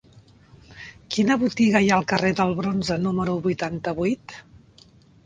Quina botiga hi ha al carrer del Bronze número vuitanta-vuit?